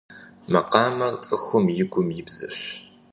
Макъамэр цӏыхум и гум и бзэщ.